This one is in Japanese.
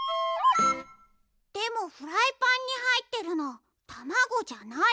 でもフライパンにはいってるのたまごじゃない？